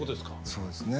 そうですね。